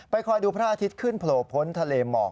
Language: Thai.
คอยดูพระอาทิตย์ขึ้นโผล่พ้นทะเลหมอก